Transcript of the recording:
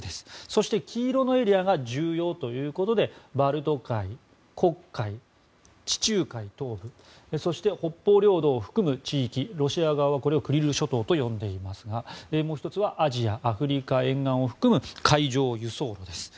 そして黄色のエリアが重要ということでバルト海、黒海、地中海東部そして北方領土を含む地域ロシア側はこれをクリル諸島と呼んでいますがもう１つはアジア・アフリカ沿岸を含む海上輸送路です。